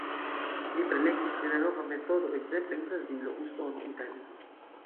Li prelegis pri la nova metodo ekzemple en Brazilo, Usono, Italio.